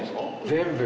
全部！